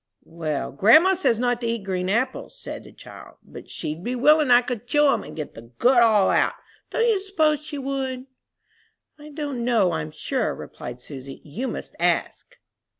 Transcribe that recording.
"Well, grandma says not to eat green apples," said the child, "but she'd be willing I could chew 'em and get the good all out don't you s'pose she would?" "I don't know, I'm sure," replied Susy; "you must ask."